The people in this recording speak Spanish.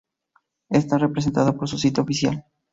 Está representada por su sitio oficial.